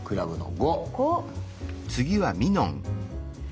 ５。